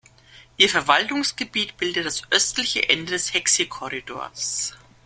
Ihr Verwaltungsgebiet bildet das östliche Ende des Hexi-Korridors.